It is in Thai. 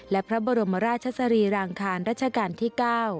และพระบรมราชสรีรางคารราชการที่๙